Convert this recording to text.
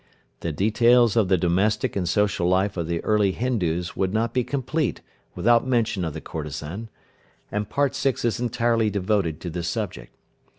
The details of the domestic and social life of the early Hindoos would not be complete without mention of the courtesan, and Part VI. is entirely devoted to this subject.